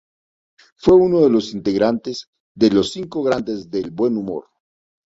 Fue uno de los integrantes de Los Cinco Grandes del Buen Humor.